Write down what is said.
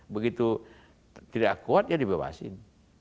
begitu tidak kuat ya dibebasin